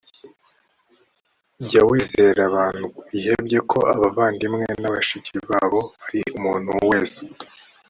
jya wizeza abantu bihebye ko abavandimwe na bashiki babo ari umuntu wese